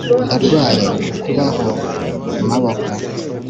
ndarwaye uku kubaho kumaboko